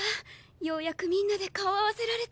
ようやくみんなで顔あわせられた。